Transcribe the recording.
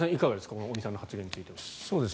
この尾身さんの発言については。